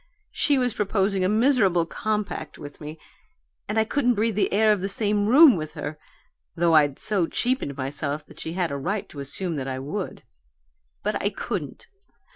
She was proposing a miserable compact with me and I couldn't breathe the air of the same room with her, though I'd so cheapened myself she had a right to assume that I WOULD. But I couldn't!